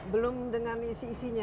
belum dengan isi isinya